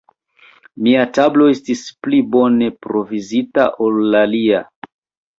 Mia tablo estis pli bone provizita ol la lia.